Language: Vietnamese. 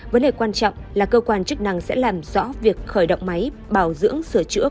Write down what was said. vấn đề quan trọng là cơ quan chức năng sẽ làm rõ việc khởi động máy bảo dưỡng sửa chữa